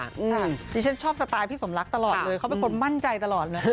ดิฉันชอบสไตล์พี่สมรักตลอดเลยเขาเป็นคนมั่นใจตลอดเลย